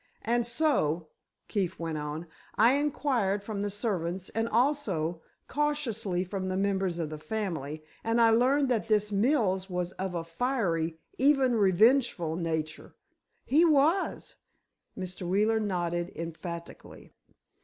"And so," Keefe went on, "I inquired from the servants and also, cautiously from the members of the family, and I learned that this Mills was of a fiery, even revengeful, nature——" "He was," Mr. Wheeler nodded, emphatically.